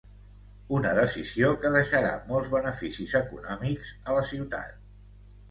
Una decisió que deixarà molts beneficis econòmics a la ciutat